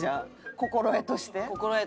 心得として。